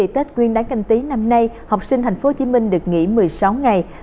tết nguyên đáng canh tí năm nay học sinh thành phố hồ chí minh được nghỉ một mươi sáu ngày